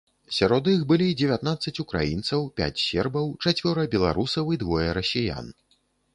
Сярод іх былі дзевятнаццаць украінцаў, пяць сербаў, чацвёра беларусаў і двое расіян.